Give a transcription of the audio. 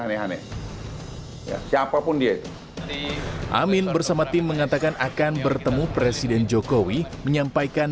aneh aneh ya siapapun dia amin bersama tim mengatakan akan bertemu presiden jokowi menyampaikan